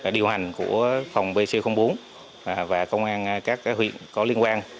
điều hành của phòng bc bốn và công an các huyện có liên quan